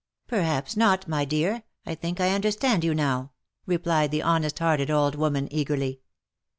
" Perhaps not, my dear. I think I understand you now," replied the honest hearted old woman, eagerly.